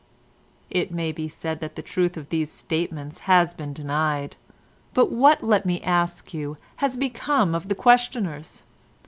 "It may be said that the truth of these statements has been denied, but what, let me ask you, has become of the questioners?